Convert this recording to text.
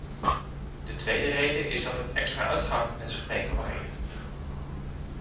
De tweede reden is dat het extra uitgaven met zich mee kan brengen.